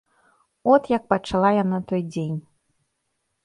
От як пачала яна той дзень.